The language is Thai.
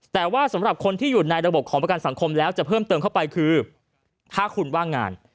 แต่ว่าสำหรับคนที่อยู่ในระบบของประกันสังคมแล้วจะเพิ่มเติมเข้าไปคือถ้าคุณว่างงาน